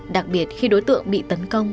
đặc biệt khi đối tượng bị tấn công